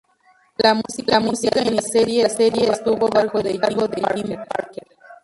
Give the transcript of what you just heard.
La música inicial de la serie estuvo bajo el cargo de Jim Parker.